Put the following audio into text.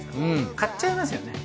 買っちゃいますよね。